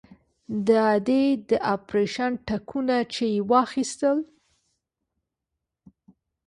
د ادې د اپرېشن ټکونه چې يې واخيستل.